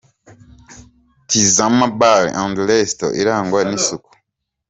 Tizama Bar & Resto irangwa n'isuku.